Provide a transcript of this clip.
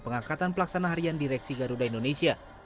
pengangkatan pelaksana harian direksi garuda indonesia